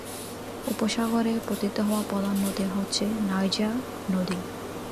উপসাগরে পতিত হওয়া প্রধান নদী হচ্ছে নাইজার নদী।